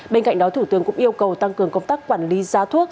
bên cạnh đó thủ tướng cũng yêu cầu tăng cường công tác quản lý giá thuốc